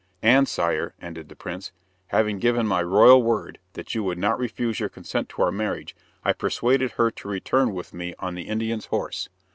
"And, Sire," ended the prince, "having given my royal word that you would not refuse your consent to our marriage, I persuaded her to return with me on the Indian's horse.